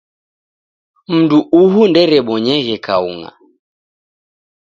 Mndu uhu nderebonyeghe kaung'a